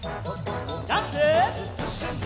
ジャンプ！